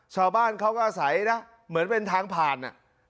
ชาวบ้านเหมือนเป็นทางผ่าน